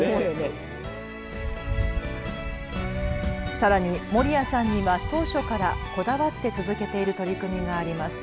さらに森谷さんには当初からこだわって続けている取り組みがあります。